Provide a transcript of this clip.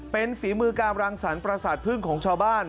เป็นฝีมือการรังสรรคประสาทพึ่งของชาวบ้าน